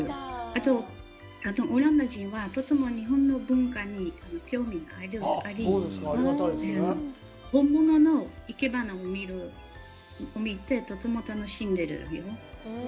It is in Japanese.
あと、オランダ人は、とても日本の文化に興味があり、本物の生け花を見て、とても楽しんでるよ。